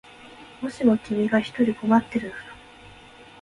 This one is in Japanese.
もしも君が一人困ってるなら